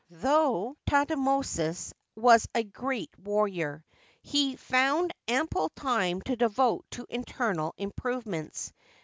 Though Thutmosis was a g^eat warrior, he found ample time to devote to internal improvements.